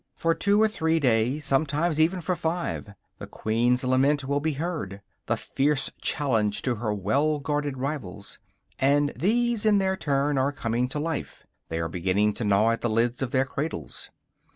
For two or three days, sometimes even for five, the queen's lament will be heard, the fierce challenge to her well guarded rivals. And these, in their turn, are coming to life; they are beginning to gnaw at the lids of their cradles.